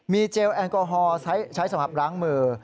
เจลแอลกอฮอล์ใช้สำหรับล้างมือ